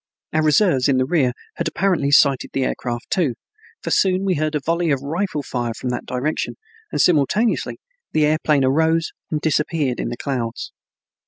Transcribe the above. Our reserves in the rear had apparently sighted the air craft too, for soon we heard a volley of rifle fire from that direction and simultaneously the aeroplane arose and disappeared in the clouds.